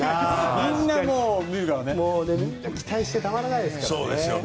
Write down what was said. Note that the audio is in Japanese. みんな期待してたまらないですからね。